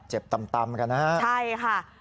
เจ็บต่ำกันนะฮะใช่ค่ะ